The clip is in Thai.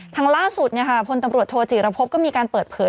ล่าสุดพลตำรวจโทจิรพบก็มีการเปิดเผย